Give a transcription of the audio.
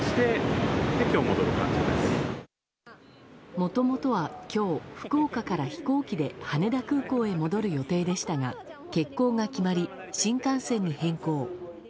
もともとは今日福岡から飛行機で羽田空港へ戻る予定でしたが欠航が決まり新幹線に変更。